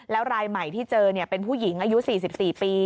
แล้วรายใหม่ที่เจอเป็นผู้หญิงอายุ๔๔ปี